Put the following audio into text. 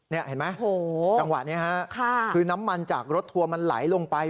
นี่เห็นไหมจังหวะนี้ฮะคือน้ำมันจากรถทัวร์มันไหลลงไป